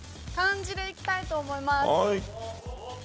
漢字でいきたいと思います。